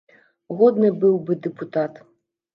Годны быў бы дэпутат!